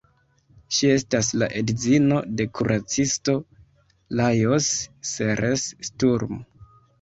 Ŝi estas la edzino de kuracisto Lajos Seres-Sturm.